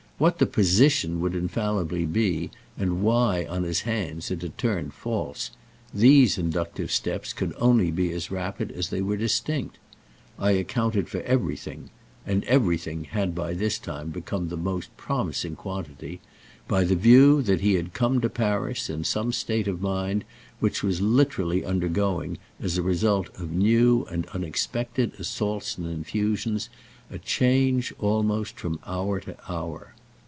What the "position" would infallibly be, and why, on his hands, it had turned "false"—these inductive steps could only be as rapid as they were distinct. I accounted for everything—and "everything" had by this time become the most promising quantity—by the view that he had come to Paris in some state of mind which was literally undergoing, as a result of new and unexpected assaults and infusions, a change almost from hour to hour.